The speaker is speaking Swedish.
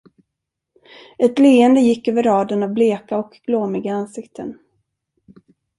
Ett leende gick över raden av bleka och glåmiga ansikten.